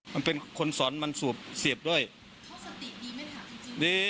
กลิ่นนั่นกว่าคุณวัยนั่นกว่าคู่ชีวิต